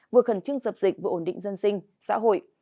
vừa khẩn trưng dập dịch vừa ổn định dân sinh xã hội